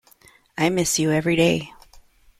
I miss you every day.